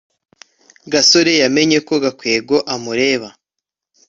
gasore yamenye ko gakwego amureba